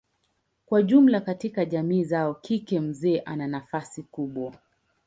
Kwa jumla katika jamii zao kike mzee ana nafasi kubwa.